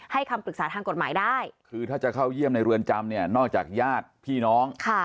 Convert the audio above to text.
คำปรึกษาทางกฎหมายได้คือถ้าจะเข้าเยี่ยมในเรือนจำเนี่ยนอกจากญาติพี่น้อง